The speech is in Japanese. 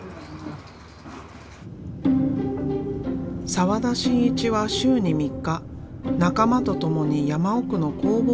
澤田真一は週に３日仲間と共に山奥の工房へと向かう。